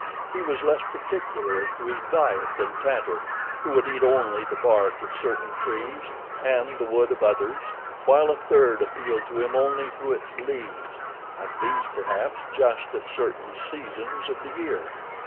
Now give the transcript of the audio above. He was less particular as to his diet than Tantor, who would eat only the bark of certain trees, and the wood of others, while a third appealed to him only through its leaves, and these, perhaps, just at certain seasons of the year.